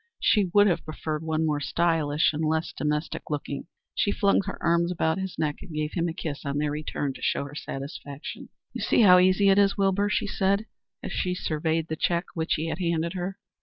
She would have preferred one more stylish and less domestic looking. She flung her arms about his neck and gave him a kiss on their return to show her satisfaction. "You see how easy it is, Wilbur," she said as she surveyed the check which he had handed her.